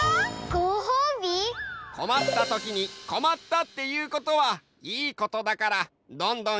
こまったときに「こまった」っていうことはいいことだからどんどんいってごほうびもらおうね！